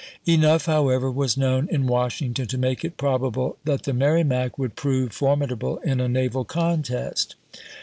Enough, however, was known in Washington to make it probable that the Merrimac "monitor" and "meekimac" 221 would prove formidable in a naval contest.